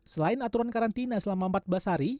selain aturan karantina selama empat belas hari